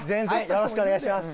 よろしくお願いします